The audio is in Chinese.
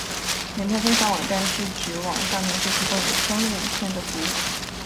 影片分享网站是指在网上免费提供有声影片的服务。